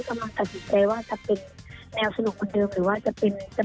จะเปลี่ยนเป็นแนวสุดในเพลงค่ะ